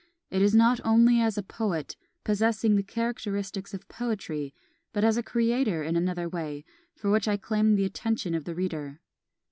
It is not only as a poet, possessing the characteristics of poetry, but as a creator in another way, for which I claim the attention of the reader.